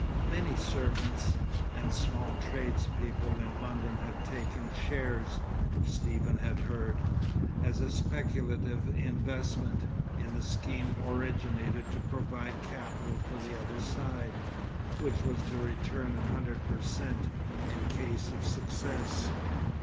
Many servants and small tradespeople in London had taken shares, Stephen had heard, as a speculative investment, in the scheme originated to provide capital for the "other side," which was to return a hundred per cent. in case of success.